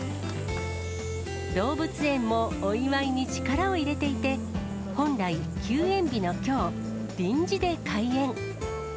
動物園もお祝いに力を入れていて、本来、休園日のきょう、臨時で開園。